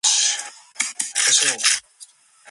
They are worked by a separate eccentric and rocker shaft